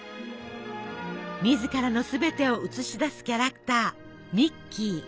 自らのすべてを映し出すキャラクターミッキー。